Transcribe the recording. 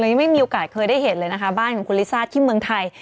ยังไม่มีโอกาสเคยได้เห็นเลยนะคะบ้านของคุณลิซ่าที่เมืองไทย